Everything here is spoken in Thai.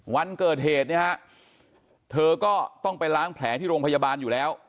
วันเกิดเหตุเนี่ยฮะเธอก็ต้องไปล้างแผลที่โรงพยาบาลอยู่แล้ว